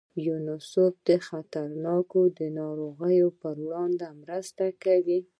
یونیسف د خطرناکو ناروغیو په وړاندې مرسته کوي.